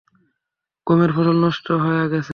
গমের ফসল নষ্ট হয়া গেসে।